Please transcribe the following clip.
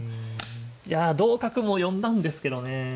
いや同角も読んだんですけどね。